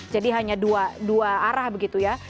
jadi hanya dua arah begitu ya